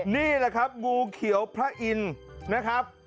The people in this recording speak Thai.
นี่ล่ะครับงูเขียวพระอิ่มนะครับ